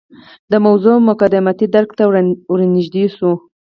د موضوع مقدماتي درک ته ورنژدې شو.